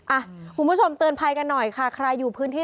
อ่ะคุณผู้ชมเตือนภัยกันหน่อยค่ะใครอยู่พื้นที่